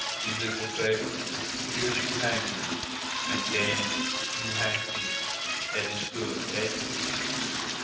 De leetle favour? Firs' you hang heem, an' den you hang me. Eet is good, eh?"